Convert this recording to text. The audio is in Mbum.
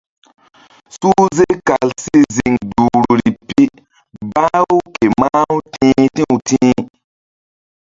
Suhze kal si ziŋ duhri pi bah-u ke mah-u ti̧h ti̧w ti̧h.